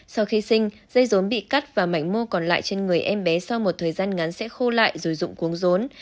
sau khi sinh dây rốn bị cắt và mảnh mô còn lại trên người em bé sau một thời gian ngắn sẽ khô lại rồi dụng cuống rốn